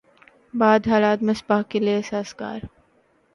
بعد حالات مصباح کے لیے سازگار